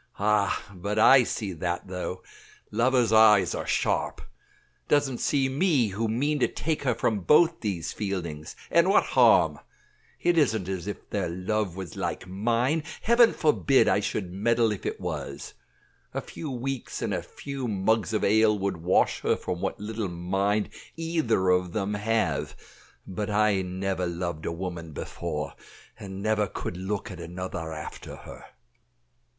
Ah! but I see that, though; lovers' eyes are sharp. Doesn't see me, who mean to take her from both these Fieldings and what harm? It isn't as if their love was like mine. Heaven forbid I should meddle if it was. A few weeks, and a few mugs of ale would wash her from what little mind either of them have; but I never loved a woman before, and never could look at another after her."